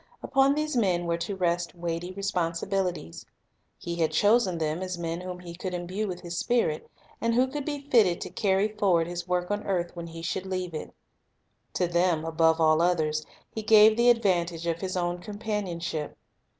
Upon these men were to rest weighty responsibilities. He had chosen them as men whom He could imbue with His Spirit, and who could be fitted to carry forward His work on earth when He should leave it. To them, above all others, He gave the advantage of His own companionship.